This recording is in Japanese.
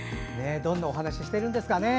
どんなお話をしてるんですかね。